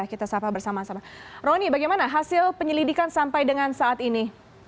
kita sapa bersama sama roni bagaimana hasil penyelidikan sampai dengan saat ini